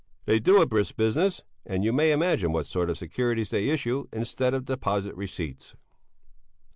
They do a brisk business, and you may imagine what sort of securities they issue instead of deposit receipts.